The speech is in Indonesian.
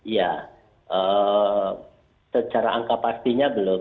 ya secara angka pastinya belum